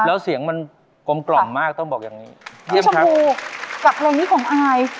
แล้วเสียงมันกลมกล่อมมากต้องบอกอย่างนี้พี่ชมพูกับเพลงนี้ของอาย